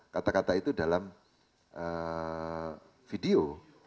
kata kata itu dalam video